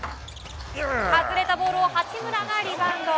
外れたボールを八村がリバウンド。